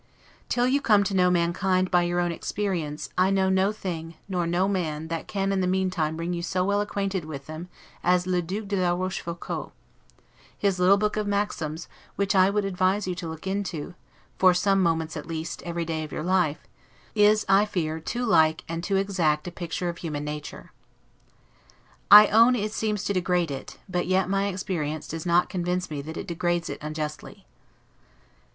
Till you come to know mankind by your own experience, I know no thing, nor no man, that can in the meantime bring you so well acquainted with them as le Duc de la Rochefoucault: his little book of "Maxims," which I would advise you to look into, for some moments at least, every day of your life, is, I fear, too like, and too exact a picture of human nature. I own, it seems to degrade it; but yet my experience does not convince me that it degrades it unjustly.